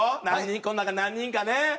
この中何人かね。